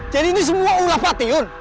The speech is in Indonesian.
jadi ini semua ulah pak tiyun